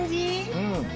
うん。